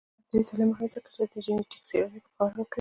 عصري تعلیم مهم دی ځکه چې د جینیټک څیړنې پوهاوی ورکوي.